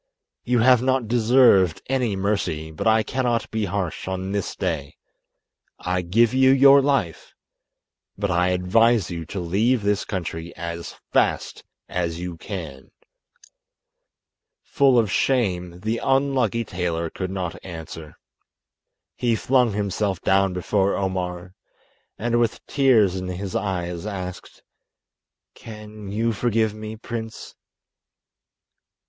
You have not deserved any mercy, but I cannot be harsh on this day. I give you your life, but I advise you to leave this country as fast as you can." Full of shame, the unlucky tailor could not answer. He flung himself down before Omar, and with tears in his eyes asked: "Can you forgive me, prince?"